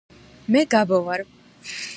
მე გაბო ვარ